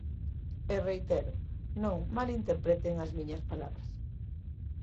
E, reitero, non malinterpreten as miñas palabras.